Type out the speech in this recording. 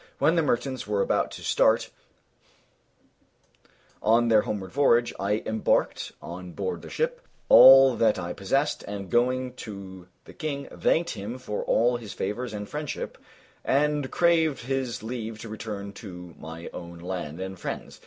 When the merchants were about to start on their homeward voyage, I embarked on board the ship all that I possessed, and going in to the King, thanked him for all his favors and friendship, and craved his leave to return to my own land and friends.